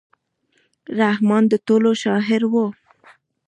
رحمان د ټولو شاعر و.